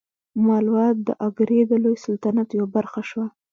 مالوه د اګرې د لوی سلطنت یوه برخه شوه.